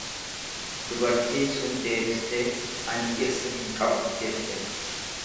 Dubartiin sun deebistee, Ani dhirsa hin qabu jette.